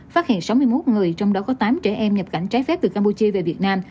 phát hiện sáu mươi một người trong đó có tám trẻ em nhập cảnh trái phép từ campuchia về việt nam